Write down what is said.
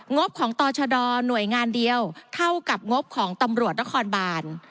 งบของตชดหน่วยงานเดียวเท่ากับงบของตำรวจนครบาน